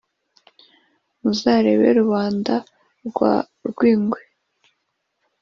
Muzarebe Rubanda rwa Rwingwe